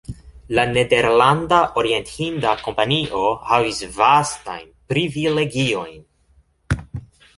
La Nederlanda Orient-hinda Kompanio havis vastajn privilegiojn.